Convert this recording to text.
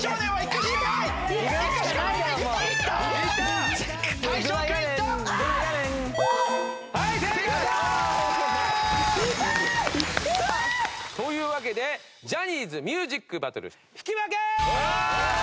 痛い！というわけでジャニーズミュージックバトル引き分け！